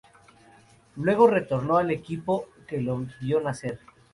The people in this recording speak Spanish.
Luego retornó al equipo que lo vio nacer.